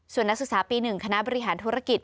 ส่วนนักศึกษาปี๑คณะบริหารธุรกิจ